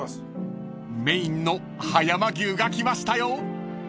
［メインの葉山牛が来ましたよ］